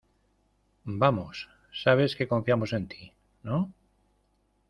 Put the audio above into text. vamos... sabes que confiamos en ti, ¿ no?